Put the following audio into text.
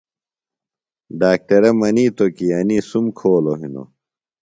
ڈاکٹرہ منِیتو کی انی سُم کھولوۡ ہنوۡ۔